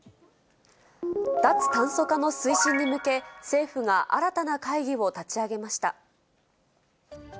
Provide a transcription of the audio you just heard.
脱炭素化の推進に向け、政府が新たな会議を立ち上げました。